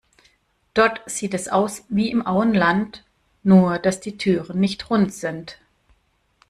Dort sieht es aus wie im Auenland, nur dass die Türen nicht rund sind.